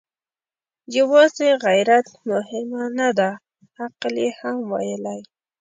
يواځې غيرت مهمه نه ده، عقل يې هم ويلی.